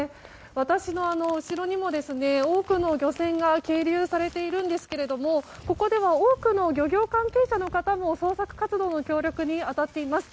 私の後ろにも多くの漁船が係留されていますがここでは多くの漁業関係者の方も捜索活動の協力に当たっています。